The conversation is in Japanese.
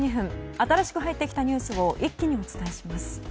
新しく入ってきたニュースを一気にお伝えします。